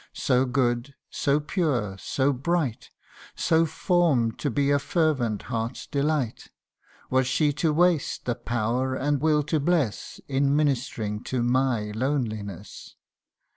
So good, so pure, so bright, So form'd to be a fervent heart's delight ; Was she to waste the power and will to bless In ministering to my loneliness